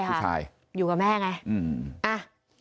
ใช่ค่ะอยู่กับแม่ไง